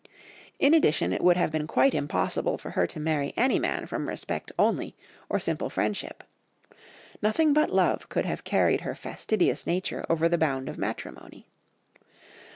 In addition, it would have been quite impossible for her to marry any man from respect only or simple friendship. Nothing but love could have carried her fastidious nature over the bound of matrimony.